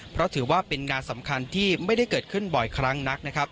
เพราะถือว่าเป็นงานสำคัญที่ไม่ได้เกิดขึ้นบ่อยครั้งนักนะครับ